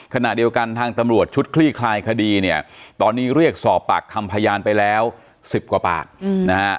ขณะเดียวกันทางตำรวจชุดคลี่คลายคดีเนี่ยตอนนี้เรียกสอบปากคำพยานไปแล้ว๑๐กว่าปากนะฮะ